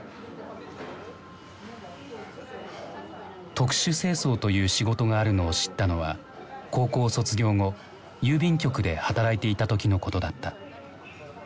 特殊清掃という仕事があるのを知ったのは高校卒業後郵便局で働いていた時のことだった。